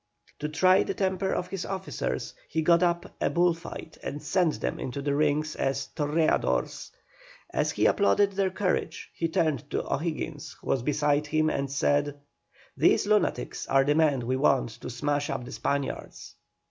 To try the temper of his officers he got up a bull fight and sent them into the ring as "torreadores." As he applauded their courage he turned to O'Higgins, who was beside him, and said: "These lunatics are the men we want to smash up the Spaniards."